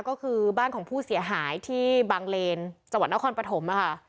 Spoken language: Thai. ก็คือบ้านของผู้เสียหายที่บางเลนจังหวัดนครปฐมค่ะ